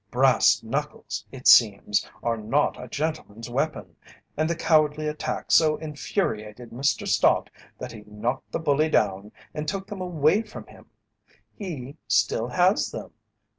Brass knuckles, it seems, are not a gentleman's weapon, and the cowardly attack so infuriated Mr. Stott that he knocked the bully down and took them away from him. He still has them.